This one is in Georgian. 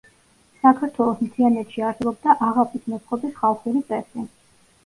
საქართველოს მთიანეთში არსებობდა აღაპის მოწყობის ხალხური წესი.